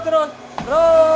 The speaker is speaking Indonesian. turun turun turun